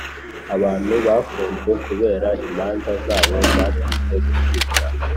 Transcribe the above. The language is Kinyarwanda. Abantu bafunzwe kubera imanza zabo zatinze gucibwa